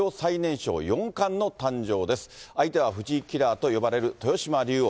相手は藤井キラーと呼ばれる豊島竜王。